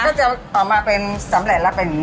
ก็จะออกมาเป็นสำเร็จแล้วเป็นอย่างนี้